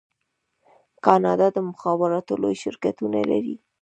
کاناډا د مخابراتو لوی شرکتونه لري.